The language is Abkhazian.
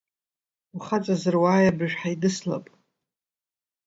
Ухаҵазар уааи абыржәы ҳаидыслап.